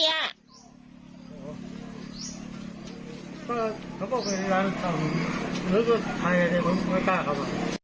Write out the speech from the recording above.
อ๋อไอ้คนที่ไม่กล้าครับ